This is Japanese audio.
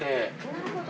なるほど。